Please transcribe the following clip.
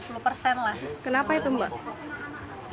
kenapa itu mbak